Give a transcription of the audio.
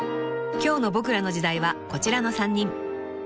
［今日の『ボクらの時代』はこちらの３人］